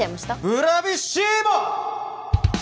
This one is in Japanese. ブラビッシーモ！